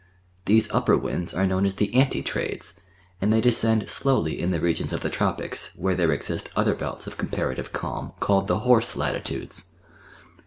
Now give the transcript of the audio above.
These upper winds . ire kno\\n as Ilie "anti trades," and they descend slowly in the regions of the Tropics, where there exist other helts of eoinparalive e:ilni called the "horse latitudes."